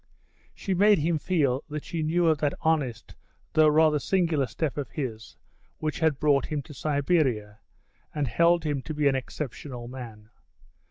She made him feel that she knew of that honest though rather singular step of his which had brought him to Siberia, and held him to be an exceptional man.